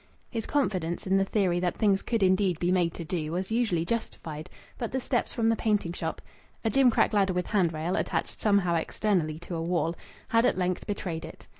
His confidence in the theory that things could indeed be made to "do" was usually justified, but the steps from the painting shop a gimcrack ladder with hand rail, attached somehow externally to a wall had at length betrayed it.